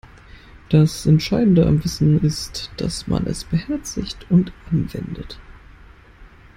Das Entscheidende am Wissen ist, dass man es beherzigt und anwendet.